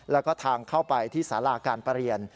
แล้วก็ทางเข้าไปที่สาราการประเรียน